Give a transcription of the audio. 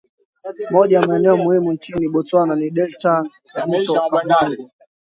Moja ya maeneo muhimu nchini Botswana ni delta ya mto Okavango